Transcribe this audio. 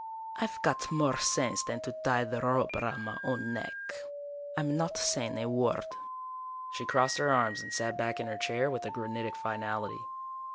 "I've got more sense than to tie the rope around my own neck. I'm not saying a word." She crossed her arms and sat back in her chair with a granitic finality.